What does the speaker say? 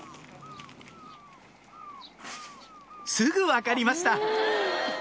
すぐ分かりました！